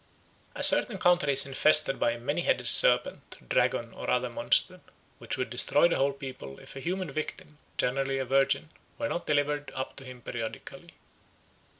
A certain country is infested by a many headed serpent, dragon, or other monster, which would destroy the whole people if a human victim, generally a virgin, were not delivered up to him periodically.